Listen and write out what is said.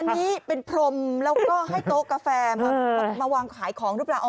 อันนี้เป็นพรมแล้วก็ให้โต๊ะกาแฟมาวางขายของหรือเปล่า